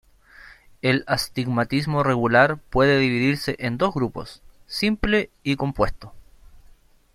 El astigmatismo regular puede dividirse en dos grupos: simple y compuesto.